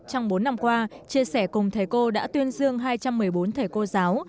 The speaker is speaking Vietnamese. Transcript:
trong bốn năm qua chia sẻ cùng thầy cô đã tuyên dương hai trăm một mươi bốn thầy cô giáo